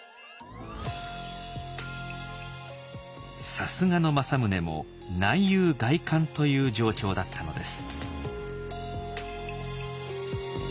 さすがの政宗も内憂外患という状況だったのです。